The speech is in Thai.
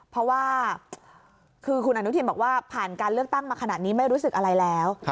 เพราะว่าคือคุณอนุทินบอกว่าผ่านการเลือกตั้งมาขนาดนี้ไม่รู้สึกอะไรแล้ว